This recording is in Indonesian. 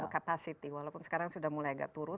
capacity walaupun sekarang sudah mulai agak turun